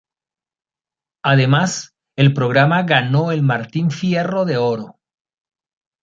Además, el programa ganó el Martín Fierro de Oro.